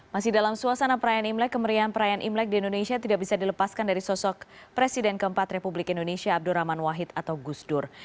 masih dalam suasana perayaan imlek kemerian perayaan imlek di indonesia tidak bisa dilepaskan dari sosok presiden keempat republik indonesia abdurrahman wahid atau gusdur